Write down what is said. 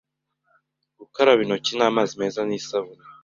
gukaraba intoki n'amazi meza n'isabune